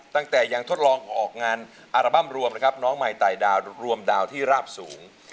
ตั้งแต่ยังทดลองออกงานอัลบั้มรวมนะครับน้องใหม่ไต่ดาวรวมดาวที่ราบสูง